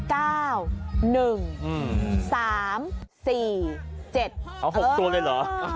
เอ้า๖ตัวกันเหรอ